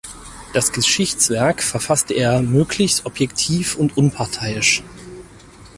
Das Geschichtswerk verfasste er möglichst objektiv und unparteiisch.